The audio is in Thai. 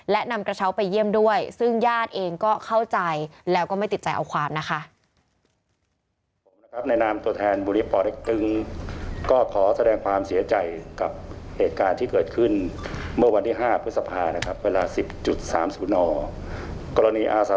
และนำกระเช้าไปเยี่ยมด้วยซึ่งญาติเองก็เข้าใจแล้วก็ไม่ติดใจเอาความนะคะ